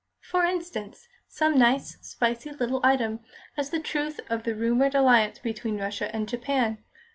For instance, some nice, spicy little item as to the truth of the rumoured alliance between Russia and Japan.